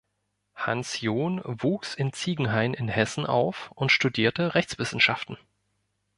Hans John wuchs in Ziegenhain in Hessen auf und studierte Rechtswissenschaften.